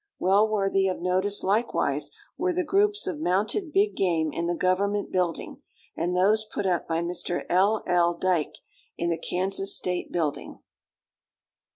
Well worthy of notice likewise were the groups of mounted big game in the Government Building, and those put up by Mr. L. L. Dyche in the Kansas State Building.